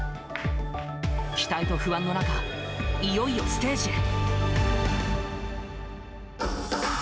期待と不安の中、いよいよステージへ。